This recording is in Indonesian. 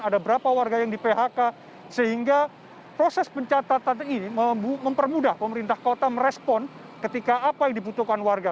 ada berapa warga yang di phk sehingga proses pencatatan ini mempermudah pemerintah kota merespon ketika apa yang dibutuhkan warga